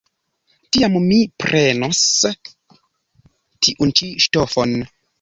Tiam mi prenos tiun ĉi ŝtofon.